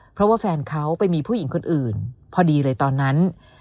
เพราะว่าแฟนเขาไปมีผู้หญิงคนอื่นพอดีเลยตอนนั้น